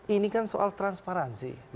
ini kan soal transparansi